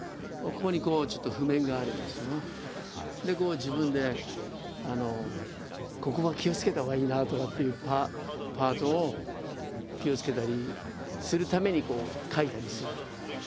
自分でここは気をつけたほうがいいなとかっていうパートを気をつけたりするために書いたりする。